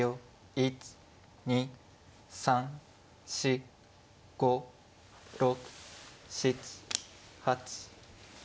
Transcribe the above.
１２３４５６７８。